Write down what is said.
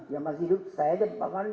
yang masih hidup saya dan pak marlin